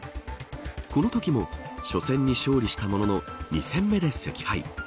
このときも初戦に勝利したものの２戦目で惜敗。